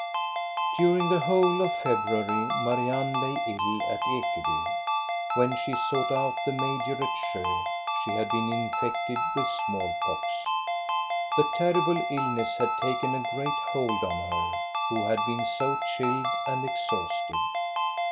During the whole of February Marianne lay ill at Ekeby. When she sought out the major at Sjo she had been infected with small pox. The terrible ill ness had taken a great hold on her, who had been so chilled and exhausted.